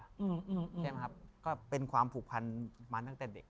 ใช่ไหมครับก็เป็นความผูกพันมาตั้งแต่เด็ก